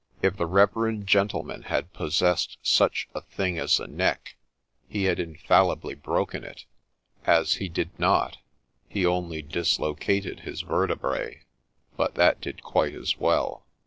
If the reverend gentleman had possessed such a thing as a neck, he had infallibly broken it ; as he did not, he only dislocated his vertebrae, — but that did quite as well.